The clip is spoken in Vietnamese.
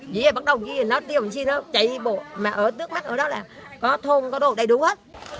vậy là bắt đầu nó tiêu làm chi nó chạy bộ mà ở trước mắt ở đó là có thôn có đồ đầy đủ hết